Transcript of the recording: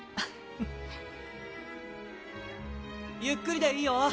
ゆっくりでいいよ。